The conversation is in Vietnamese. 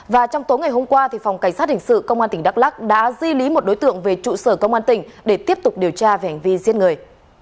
và trong tối ngày hôm qua phòng cảnh sát hình sự công an tỉnh đắk lắc đã di lý một đối tượng về trụ sở công an tỉnh để tiếp tục điều tra về hành vi giết người